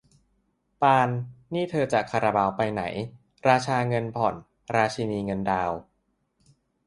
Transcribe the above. ปาน นี่เธอจะคาราบาวไปไหน ราชาเงินผ่อน ราชินีเงินดาวน์